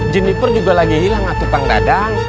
jeniper juga lagi hilang atu kang dadang